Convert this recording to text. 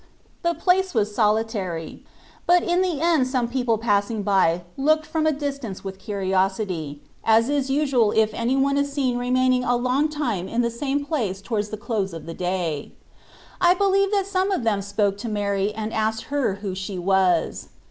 The place was solitary ; but in the end some people passing by looked from a distance with curiosity, as is usual if any one is seen remaining a long time in the same place towards the close of the day. I believe that some of them spoke to Mary and asked her who she was.